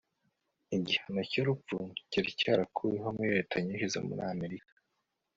igihano cyurupfu cyari cyarakuweho muri leta nyinshi zo muri amerika